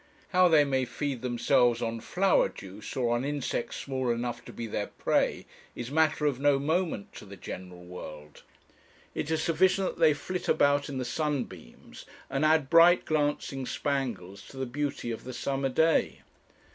How they may feed themselves on flower juice, or on insects small enough to be their prey, is matter of no moment to the general world. It is sufficient that they flit about in the sunbeams, and add bright glancing spangles to the beauty of the summer day.